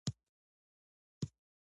موږ د نړۍ ټول انسانان تصور کوو.